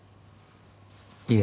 いえ。